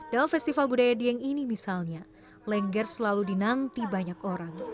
dalam festival budaya dieng ini misalnya lengger selalu dinanti banyak orang